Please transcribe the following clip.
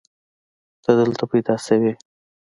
ته دلته پيدا شوې يې.